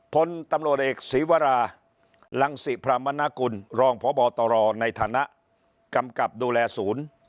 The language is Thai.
พลตำรวจเอกศีวรารังศิพรามณกุลรองพบตรในฐานะกำกับดูแลศูนย์